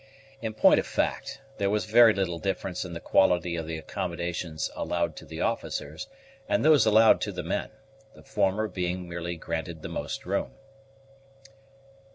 In point of fact, there was very little difference in the quality of the accommodations allowed to the officers and those allowed to the men, the former being merely granted the most room.